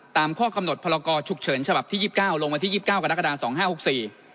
ตามข้อกำหนดพลกรฉุกเฉินฉบับที่ยี่สิบเก้าลงวันที่ยี่สิบเก้ากรกฎาสองห้าหกสี่